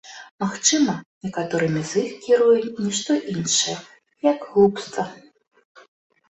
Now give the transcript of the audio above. Магчыма, некаторымі з іх кіруе ні што іншае, як глупства.